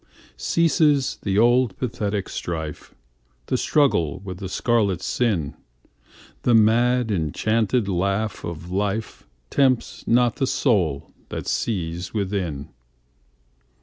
Ceases the old pathetic strife, The struggle with the scarlet sin:The mad enchanted laugh of lifeTempts not the soul that sees within.